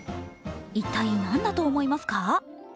一体何だと思いますか？